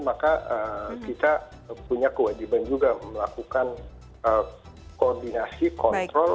maka kita punya kewajiban juga melakukan koordinasi kontrol